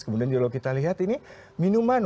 kemudian kalau kita lihat ini minuman